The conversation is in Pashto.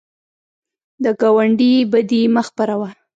د ګاونډي بدي مه خپروه